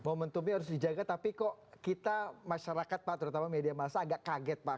momentumnya harus dijaga tapi kok kita masyarakat pak terutama media masa agak kaget pak